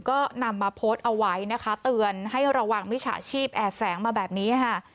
ก็นำมาโพสต์เอาไว้นะคะเตือนให้ระวังมิจฉาชีพแอดแสงมาแบบนี้ค่ะ